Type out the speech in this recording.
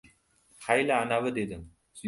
— Hayla, anavi! — dedim.